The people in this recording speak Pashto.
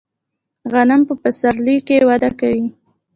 غنم په پسرلي کې وده کوي.